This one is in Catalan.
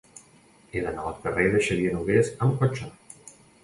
He d'anar al carrer de Xavier Nogués amb cotxe.